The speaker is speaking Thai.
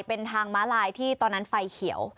เป็นทางม้าลายที่ตอนนั้นไฟเขียว